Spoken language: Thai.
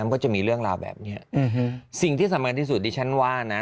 มันก็จะมีเรื่องราวแบบนี้สิ่งที่สำคัญที่สุดที่ฉันว่านะ